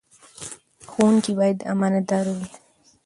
ښوونکي باید امانتدار وي.